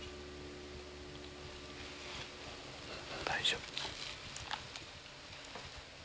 大丈夫。